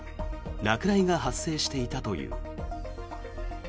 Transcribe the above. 落雷が発生していたという。